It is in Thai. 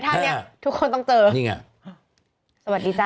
ทุกคนต้องเจอนี่ไงสวัสดีจ้า